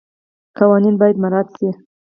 قوانین باید مراعات شي.